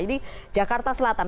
jadi jakarta selatan